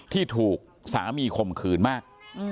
ที่ถูกสามีข่มขืนมาก